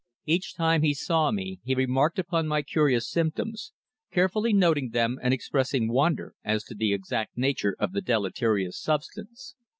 Each time he saw me he remarked upon my curious symptoms, carefully noting them and expressing wonder as to the exact nature of the deleterious substance.